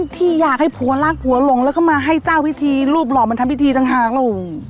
ที่อยากให้ผัวลากหัวลงแล้วก็มาให้เจ้าพิธีรูปหล่อมันทำพิธีจังห่างเรา